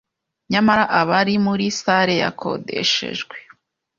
nyamara aba ari muri salle yakodeshejwe.